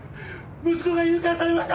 息子が誘拐されました！